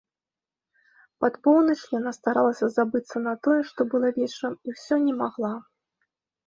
Пад поўнач яна старалася забыцца на тое, што было вечарам, і ўсё не магла.